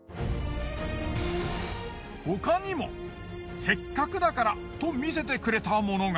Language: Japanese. ほかにもせっかくだからと見せてくれたものが。